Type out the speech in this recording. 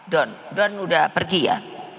don don sudah pergi ya